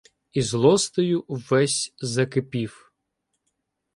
І злостию ввесь закипів.